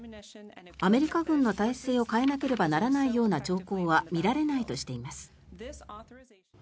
アメリカ軍の態勢を変えなければならないような兆候は見られないとしています。